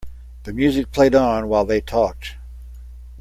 The music played on while they talked.